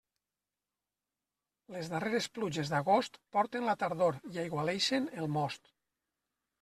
Les darreres pluges d'agost porten la tardor i aigualeixen el most.